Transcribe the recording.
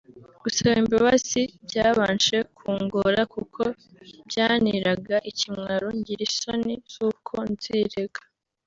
Gusaba imbabazi byabanje kungora kuko byanteraga ikimwaro ngira isoni zuko nzirega